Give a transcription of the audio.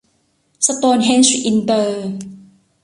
สโตนเฮ้นจ์ อินเตอร์